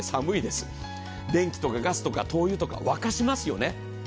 電気とかガスとか灯油とか沸かしますよね。